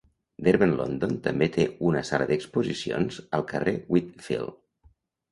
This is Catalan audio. Derwent London també té una sala d'exposicions al carrer Whitfield.